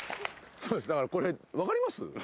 そうです、これ分かります？